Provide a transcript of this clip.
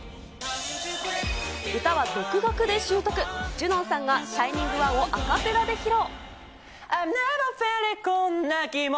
歌は独学で習得、ジュノンさんがＳｈｉｎｉｎｇＯｎｅをアカペラで披露。